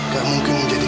gak mungkin kejadian